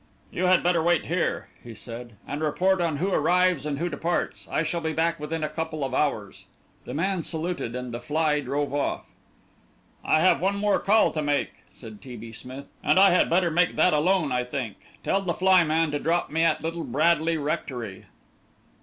"You had better wait here," he said, "and report on who arrives and who departs. I shall be back within a couple of hours." The man saluted, and the fly drove off. "I have one more call to make," said T. B. Smith, "and I had better make that alone, I think. Tell the flyman to drop me at Little Bradley Rectory."